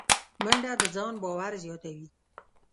منډه د ځان باور زیاتوي